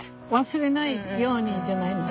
忘れないようにじゃないの？